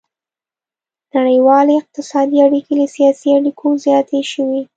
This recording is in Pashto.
نړیوالې اقتصادي اړیکې له سیاسي اړیکو زیاتې شوې